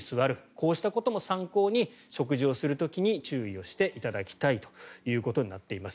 こうしたことも参考に食事をする時に注意をしていただきたいとなっています。